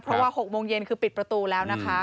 เพราะว่า๖โมงเย็นคือปิดประตูแล้วนะคะ